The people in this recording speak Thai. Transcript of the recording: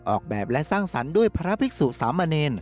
ออกแบบและสร้างสรรค์ด้วยพระภิกษุสามเณร